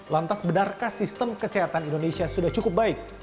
lantas benarkah sistem kesehatan indonesia sudah cukup baik